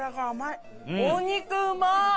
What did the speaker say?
お肉うまっ！